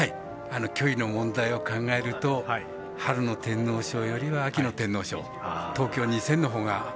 距離の問題を考えると春の天皇賞よりは秋の天皇賞東京２０００のほうが。